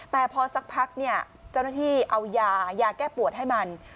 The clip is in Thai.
แต่พอสักพักเนี่ยเจ้าหน้าที่เอายายาแก้ปวดให้มัน